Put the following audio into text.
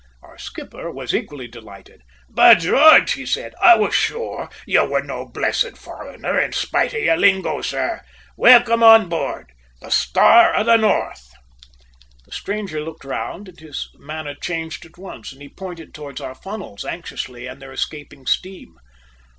Our skipper was equally delighted. "By George!" he said. "I was sure you were no blessed foreigner, in spite of your lingo, sir! Welcome on board the Star of the North." The stranger looked round and his manner changed at once, and he pointed towards our funnels anxiously and their escaping steam.